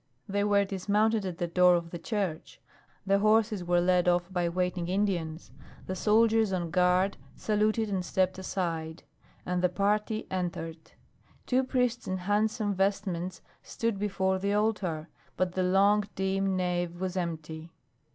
They were dismounted at the door of the church. The horses were led off by waiting Indians. The soldiers on guard saluted and stepped aside, and the party entered. Two priests in handsome vestments stood before the altar, but the long dim nave was empty.